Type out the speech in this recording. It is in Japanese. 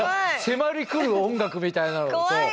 迫り来る音楽みたいなのと。